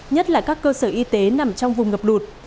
nhất là các cơ sở y tế nằm trong vùng ngập lụt